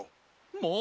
もう！